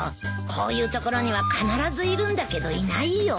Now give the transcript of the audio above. こういうところには必ずいるんだけどいないよ。